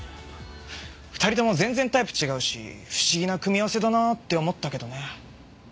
２人とも全然タイプ違うし不思議な組み合わせだなって思ったけどね。